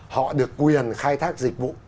họ được quyền khai thác dịch vụ